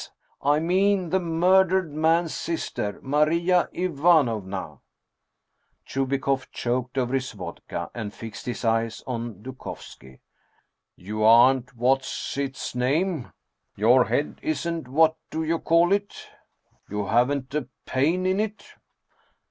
I mean the murdered man's sister, Maria Ivanovna !" Chubikoff choked over his vodka, and fixed his eyes on Dukovski. " You aren't what's its name ? Your head isn't what do you call it ? You haven't a pain in it